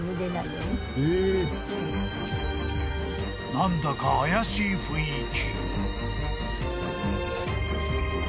［何だか怪しい雰囲気］